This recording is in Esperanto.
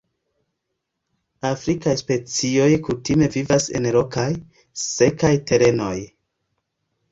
Afrikaj specioj kutime vivas en rokaj, sekaj terenoj.